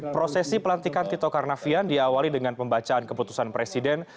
prosesi pelantikan tito karnavian diawali dengan pembacaan keputusan presiden